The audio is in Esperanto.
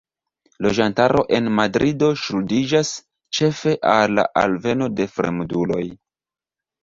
Loĝantaro en Madrido ŝuldiĝas ĉefe al la alveno de fremduloj.